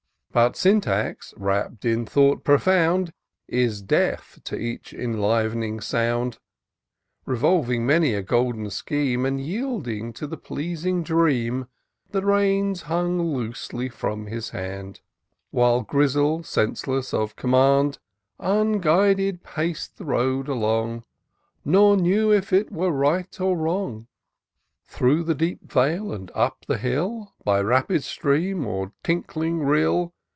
But Syntax, wrapt in thought profound, Is deaf to each enliv'ning sound : Revolving many a golden scheme, And yielding to the pleasing dream, Tlie reins hung loosely from his hand ; While Grizzle, senseless of command, Unguided, pac'd the road along. Nor knew if it were right or wrong. Through the deep vale, and up the hill. By rapid stream or tinkling rill.